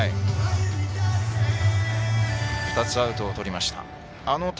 ２つアウトをとりました。